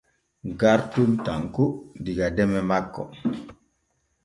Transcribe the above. Garton tanko diga deme manko.